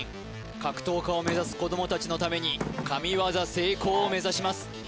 格闘家を目指す子どもたちのために神業成功を目指します